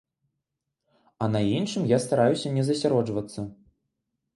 А на іншым я стараюся не засяроджвацца.